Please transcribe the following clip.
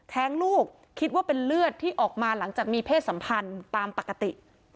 ลูกคิดว่าเป็นเลือดที่ออกมาหลังจากมีเพศสัมพันธ์ตามปกติ